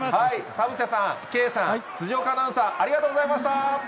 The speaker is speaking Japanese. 田臥さん、圭さん、辻岡アナウンサー、ありがとうございました！